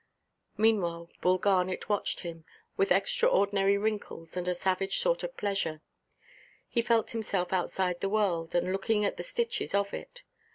Meanwhile Bull Garnet watched him, with extraordinary wrinkles, and a savage sort of pleasure. He felt himself outside the world, and looking at the stitches of it.